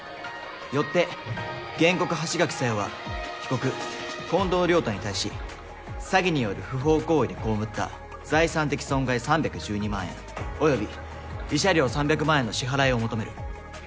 よって原告橋垣紗世は被告近藤良太に対し詐欺による不法行為で被った財産的損害３１２万円及び慰謝料３００万円の支払いを求める。